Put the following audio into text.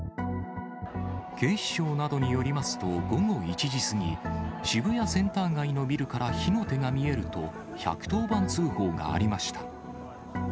警視庁などによりますと、午後１時過ぎ、渋谷センター街のビルから火の手が見えると、１１０番通報がありました。